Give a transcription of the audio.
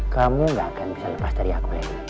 kamu gak akan bisa lepas dari aku lagi